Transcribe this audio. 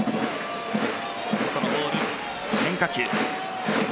このボール、変化球。